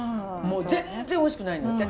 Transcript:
もう全然おいしくないの。